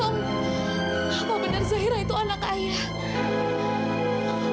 apa benar zahira itu anak ayah